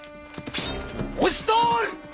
押し通る！